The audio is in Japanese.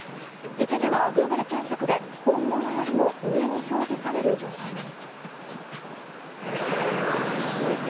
一時はグーグル検索で本物よりも上に表示される状態に。